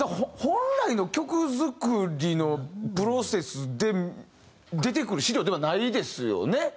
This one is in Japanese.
本来の曲作りのプロセスで出てくる資料ではないですよね。